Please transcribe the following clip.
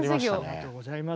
ありがとうございます。